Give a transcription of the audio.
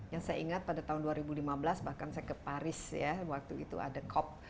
yang saya ingat pada tahun dua ribu lima belas bahkan saya ke paris ya waktu itu ada cop